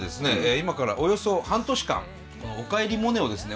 今からおよそ半年間「おかえりモネ」をですね